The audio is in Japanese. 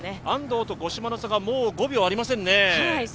安藤と五島の差が、もう５秒ありませんね。